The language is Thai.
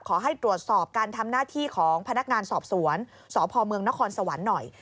ขอให้ตรวจสอบการทำหน้าที่ของพนักงานสอบสวนสพเมืองนครสวรรค์หน่อย